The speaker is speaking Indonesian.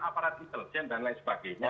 aparat intelijen dan lain sebagainya